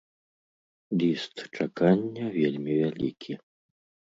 Ліст чакання вельмі вялікі.